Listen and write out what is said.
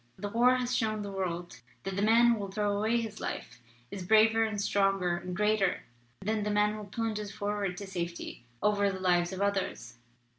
The war has shown the world that the man who will throw away his life is braver and stronger and greater than the man who plunges forward to safety over the lives of others.